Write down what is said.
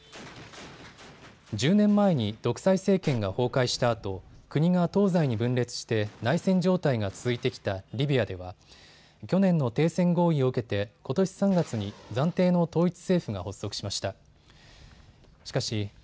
１０年前に独裁政権が崩壊したあと国が東西に分裂して内戦状態が続いてきたリビアでは去年の停戦合意を受けてことし３月に暫定の統一政府が発足しました。